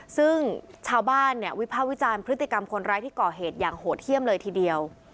ซึ่งชาวบ้านเนี่ยวิภาควิจารณ์พฤติกรรมคนร้ายที่ก่อเหตุอย่างโหดเยี่ยมเลยทีเดียว